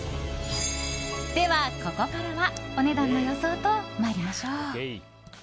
では、ここからはお値段の予想と参りましょう！